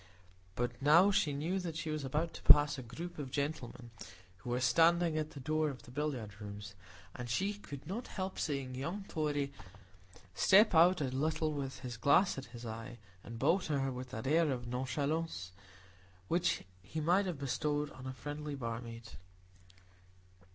But now she knew that she was about to pass a group of gentlemen, who were standing at the door of the billiard rooms, and she could not help seeing young Torry step out a little with his glass at his eye, and bow to her with that air of nonchalance which he might have bestowed on a friendly barmaid.